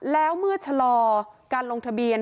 แล้วเมื่อชะลอการลงทะเบียน